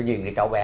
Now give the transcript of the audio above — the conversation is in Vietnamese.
nhìn cái cháu bé